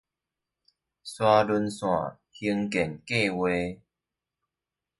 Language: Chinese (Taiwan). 沙崙線興建計畫